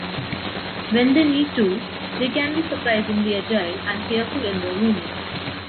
When they need to, they can be surprisingly agile and careful in their movements.